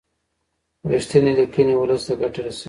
رښتینې لیکنې ولس ته ګټه رسوي.